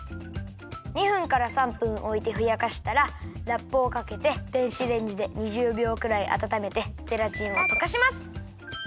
２分から３分おいてふやかしたらラップをかけて電子レンジで２０びょうくらいあたためてゼラチンをとかします。